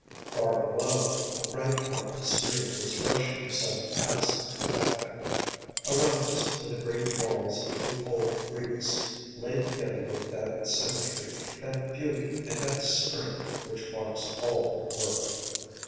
Far below, a bright mountain stream was rushing beside the pass into Attica; around us were the great walls of the old Greeks, laid together with that symmetry, that beauty, and that strength which marks all their work.